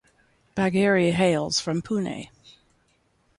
Bagheri hails from Pune.